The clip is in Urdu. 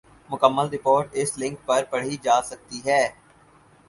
مکمل رپورٹ اس لنک پر پڑھی جا سکتی ہے ۔